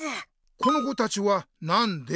この子たちはなんで？